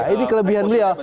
ini kelebihan beliau